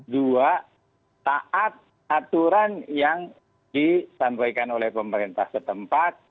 dua taat aturan yang disampaikan oleh pemerintah setempat